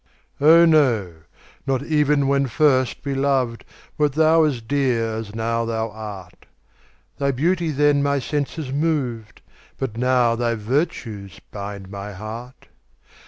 Oh, no not even when first we loved, Wert thou as dear as now thou art; Thy beauty then my senses moved, But now thy virtues bind my heart.